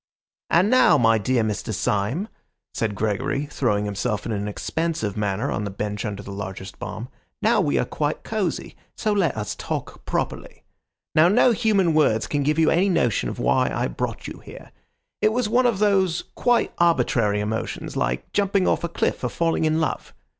"And now, my dear Mr. Syme," said Gregory, throwing himself in an expansive manner on the bench under the largest bomb, "now we are quite cosy, so let us talk properly. Now no human words can give you any notion of why I brought you here. It was one of those quite arbitrary emotions, like jumping off a cliff or falling in love.